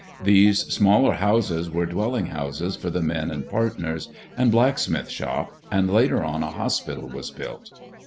These smaller houses were dwelling houses for the men and partners, and blacksmith shop, and later on a hospital was built.